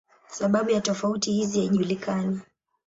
Sababu ya tofauti hizi haijulikani.